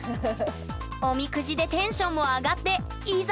おみくじでテンションも上がっていざ